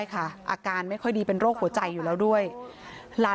พระเจ้าที่อยู่ในเมืองของพระเจ้า